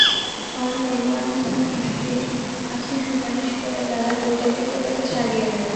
পরে দেলোয়ার হোসেন এসপির কাছে সুপারিশ করে বেলা দুইটার দিকে তাঁকে ছাড়িয়ে নেন।